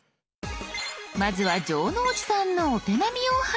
まずは城之内さんのお手並みを拝見。